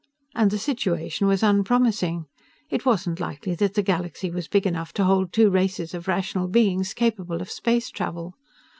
And the situation was unpromising. It wasn't likely that the galaxy was big enough to hold two races of rational beings capable of space travel.